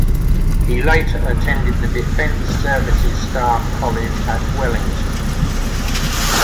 He later attended the Defence Services Staff College at Wellington.